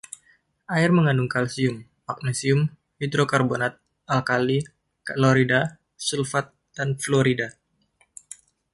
Air mengandung kalsium, magnesium, hidrokarbonat, alkali, klorida, sulfat dan fluorida.